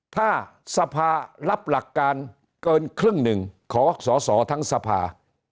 ถ้าสภารับหลักการเกินครึ่งหนึ่งขอสอสอทั้งสภา